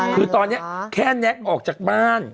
คือตอนนี้แค่แน็กออกจากบ้าน